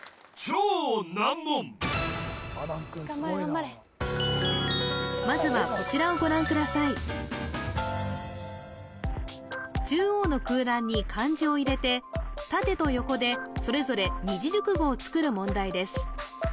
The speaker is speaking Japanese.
頑張れ頑張れまずは中央の空欄に漢字を入れて縦と横でそれぞれ二字熟語を作る問題です